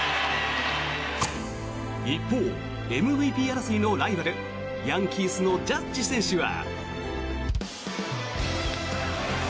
一方、ＭＶＰ争いのライバルヤンキースのジャッジ選手は。